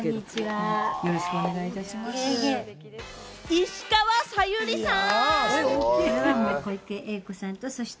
石川さゆりさん！